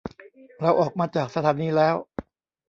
เราออกมาจากสถานีแล้ว